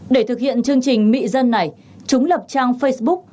để thực hiện chương trình mị dân này chúng lập trang facebook